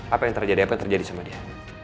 apa yang terjadi apa yang terjadi sama dia